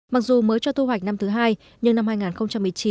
mặc dù mới cho thu hoạch năm thứ hai nhưng năm hai nghìn một mươi chín